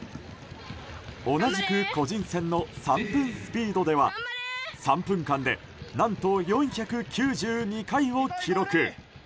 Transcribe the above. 同じく個人戦の３分スピードでは３分間で何と４９２回を記録。